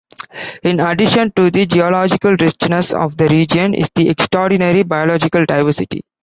In addition to the geological richness of the region is the extraordinary biological diversity.